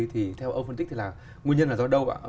thì theo ông phân tích thì là nguyên nhân là do đâu ạ